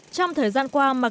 trong thời gian qua